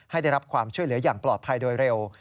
ให้ได้รับความช่วยเหลืออย่างปลอดภัยโดยเร็ว